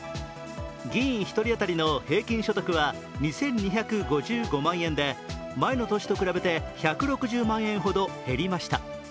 議員１人当たりの平均所得は２２５５万円で前の年と比べて１６０万円ほど減りました。